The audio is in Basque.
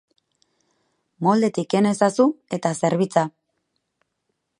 Moldetik ken ezazu eta zerbitza.